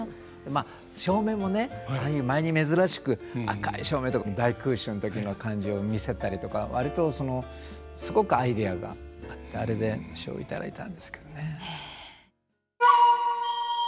まあ照明もねああいう舞に珍しく赤い照明とか大空襲の時の感じを見せたりとか割とすごくアイデアがあってあれで賞を頂いたんですけどね。